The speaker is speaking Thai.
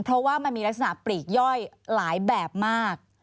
เพราะว่ามันมีลักษณะปลีกย่อยหลายแบบมาก